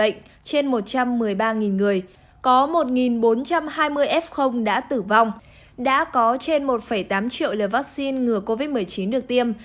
bệnh trên một trăm một mươi ba người có một bốn trăm hai mươi f đã tử vong đã có trên một tám triệu liều vaccine ngừa covid một mươi chín được tiêm